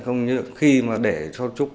không như khi mà để cho trúc